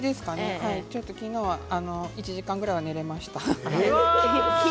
昨日は１時間ぐらいは眠れました。